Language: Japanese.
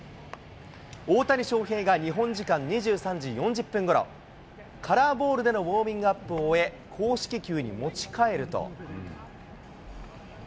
大谷翔平が日本時間２３時４０分ごろ、カラーボールでのウォーミングアップを終え、公式球に持ちかえると。